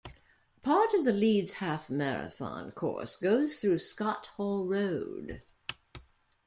Part of the Leeds Half Marathon course goes through Scott Hall Road.